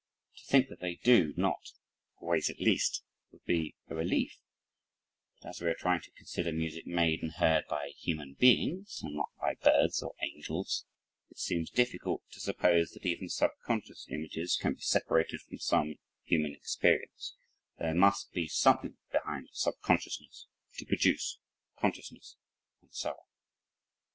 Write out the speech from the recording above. To think that they do not always at least would be a relief; but as we are trying to consider music made and heard by human beings (and not by birds or angels) it seems difficult to suppose that even subconscious images can be separated from some human experience there must be something behind subconsciousness to produce consciousness, and so on.